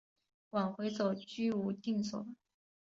往回走居无定所